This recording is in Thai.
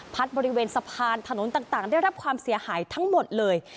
บริเวณสะพานถนนต่างได้รับความเสียหายทั้งหมดเลย